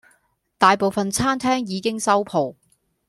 大部份餐廳已經收舖